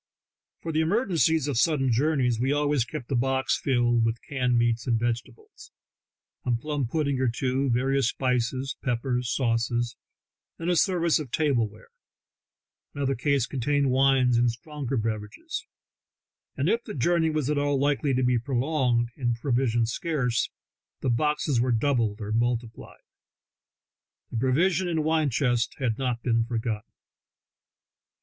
For the emergencies of sudden jour neys we always kept a box filled with canned meats and vegetables, a plum pudding or two, various spices, peppers and sauces, and a service of table ware; another case contained wines and stronger beverages; and if the journey was at all likely to be prolonged and provisions scarce, the boxes were doubled or multiplied. The provision and wine chcvsts had not been forgotten.